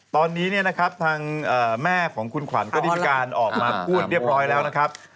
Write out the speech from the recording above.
ตอนนี้เนี่ยนะครับทางแม่ของคุณขวัญก็ได้มีการออกมาพูดเรียบร้อยแล้วนะครับ